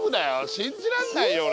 信じらんないよ俺。